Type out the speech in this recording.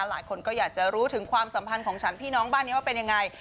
หลายคนก็อยากจะรู้ถึงความสัมพันธ์ของฉันพี่น้องบ้านนี้ว่าเป็นยังไง